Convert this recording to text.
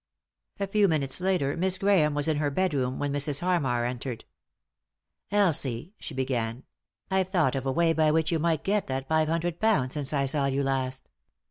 A few minutes later Miss Grahame was in her bedroom when Mrs. Harmar entered. "Elsie," she began, "I've thought of a way by which you might get that five hundred pounds since I saw you last.